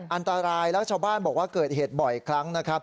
อันตรายแล้วชาวบ้านบอกว่าเกิดเหตุบ่อยครั้งนะครับ